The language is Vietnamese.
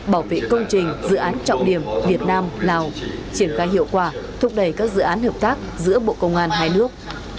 bảo vệ công trình dự án trọng điểm việt nam lào triển khai hiệu quả thúc đẩy các dự án hợp tác giữa bộ công an hai nước